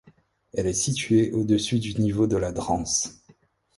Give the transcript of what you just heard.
Elle est située à au-dessus du niveau de la Dranse.